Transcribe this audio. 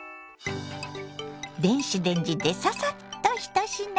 電子レンジでササッと１品。